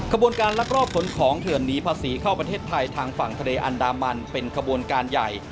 ขบวนการลักลอบขนของเถื่อนหนีภาษีเข้าประเทศไทยทางฝั่งทะเลอันดามันเป็นขบวนการใหญ่